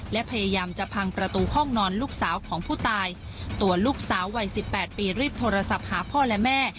และพยายามจะพังประตูห้องนอนลูกสาวของผู้ตายตัวลูกสาววัยสิบแปดปีรีบโทรศัพท์หาพ่อและแม่